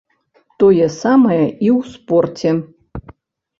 Тое самае і ў спорце.